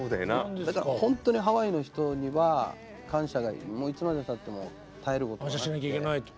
だから本当にハワイの人には感謝がいつまでたっても絶えることなくて。感謝しなきゃいけないと。